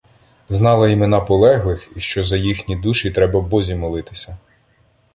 Знала імена полеглих і що за їхні душі "треба Бозі молитися".